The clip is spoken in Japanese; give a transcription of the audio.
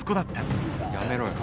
やめろよ。